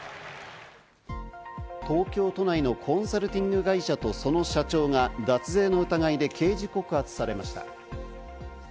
東京都内のコンサルティング会社とその社長が脱税の疑いで刑事告発されました。